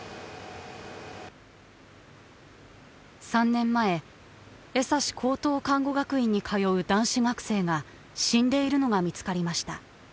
３年前江差高等看護学院に通う男子学生が死んでいるのが見つかりました。